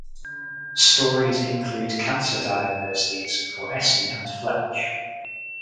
Stories include cancer diagnoses for Essie and Fletch.